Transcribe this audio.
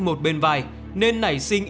một bên vai nên nảy sinh